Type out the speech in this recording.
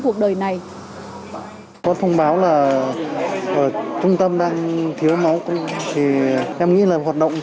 cuộc đời này có thông báo là ở trung tâm đang thiếu máu công trình thì chúng ta sẽ có thể tham gia